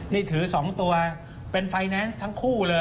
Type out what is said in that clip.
นี่ถือ๒ตัวเป็นไฟแนนซ์ทั้งคู่เลย